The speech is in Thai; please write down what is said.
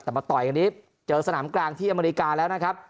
แต่มาต่อยกันนี้เจอสนามกลางที่อเมริกาแล้วนะครับ